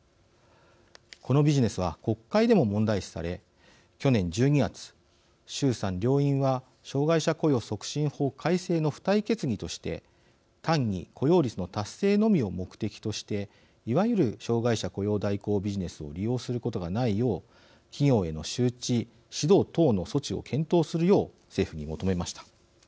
このビジネスは国会でも問題視され去年１２月、衆参両院は障害者雇用促進法改正の付帯決議として単に雇用率の達成のみを目的としていわゆる障害者雇用代行ビジネスを利用することがないよう企業への周知指導等の措置を検討するよう政府に求めました。